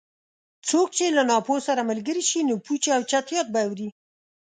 څوک چې له ناپوه سره ملګری شي؛ نو پوچ او چټیات به اوري.